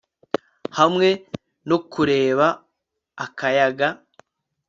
hamwe no kureba akayaga